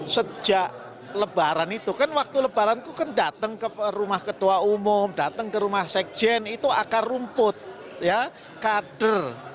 sejak lebaran itu kan waktu lebaran itu kan datang ke rumah ketua umum datang ke rumah sekjen itu akar rumput ya kader